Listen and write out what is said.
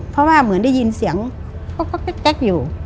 เพราะว่าเหมือนได้ยินเสียงก๊อกแก๊กอยู่